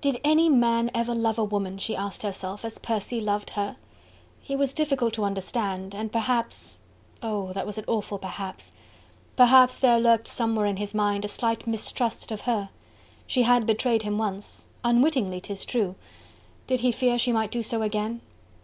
Did any man ever love a woman, she asked herself, as Percy loved her? He was difficult to understand, and perhaps oh! that was an awful "perhaps" perhaps there lurked somewhere in his mind a slight mistrust of her. She had betrayed him once! unwittingly 'tis true! did he fear she might do so again?